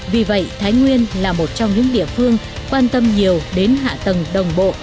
vì vậy thái nguyên là một trong những địa phương quan tâm nhiều đến hạ tầng đồng bộ